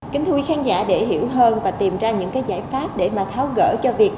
kính thưa quý khán giả để hiểu hơn và tìm ra những giải pháp để tháo gỡ cho việc